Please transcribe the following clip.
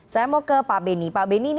saya mau ke pak beni pak benny